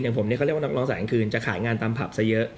ผมเนี่ยเขาเรียกว่านักร้องสายกลางคืนจะขายงานตามผับซะเยอะ